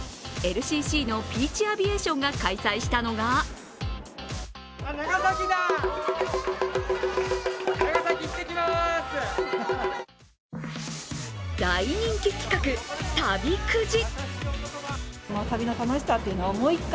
ＬＣＣのピーチ・アビエーションが開催したのが大人気企画、旅くじ。